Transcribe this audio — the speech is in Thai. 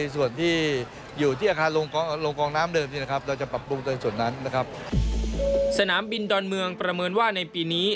สนามบินดอนเมืองประเมินว่าในปีนี้